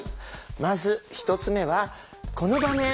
まず１つ目はこの場面。